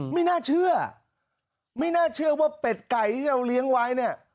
ไม่น่าเชื่อไม่น่าเชื่อว่าเป็ดไก่ที่เราเลี้ยงไว้เนี่ย